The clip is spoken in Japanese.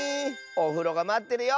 「おふろがまってるよ」